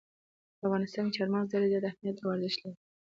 په افغانستان کې چار مغز ډېر زیات اهمیت او ارزښت لري.